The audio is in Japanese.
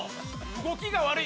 動きが悪い